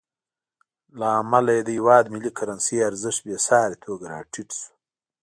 له امله یې د هېواد ملي کرنسۍ ارزښت بېساري توګه راټیټ شو.